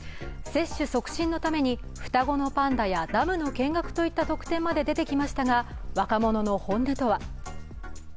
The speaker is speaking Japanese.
接種促進のために双子のパンダやダムの見学といった特典も出てきましたが若者の本音とは？